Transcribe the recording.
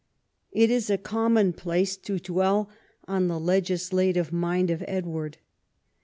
It is a common place to dwell on the legislative mind of Edward.